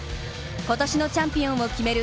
今年のチャンピオンを決める